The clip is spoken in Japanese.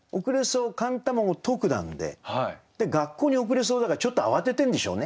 で「学校に遅れそう」だからちょっと慌ててるんでしょうね。